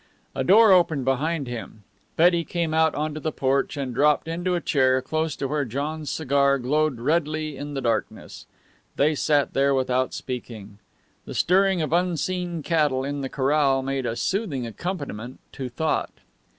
A door opened behind him. Betty came out on to the porch, and dropped into a chair close to where John's cigar glowed redly in the darkness. They sat there without speaking. The stirring of unseen cattle in the corral made a soothing accompaniment to thought.